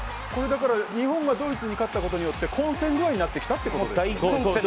だから、日本がドイツに勝ったことによって混戦具合になってきたってことですね。